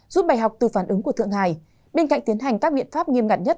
rút bài học từ phản ứng của thượng hải bên cạnh tiến hành các biện pháp nghiêm ngặt nhất